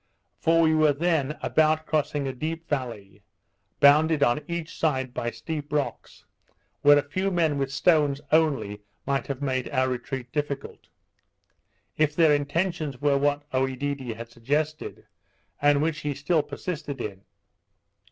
For we were then about crossing a deep valley, bounded on each side by steep rocks, where a few men with stones only might have made our retreat difficult, if their intentions were what Oedidee had suggested, and which he still persisted in.